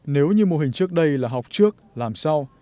nếu như mô hình trước đây là học trước làm sau